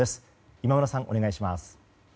今村さん、お願いします。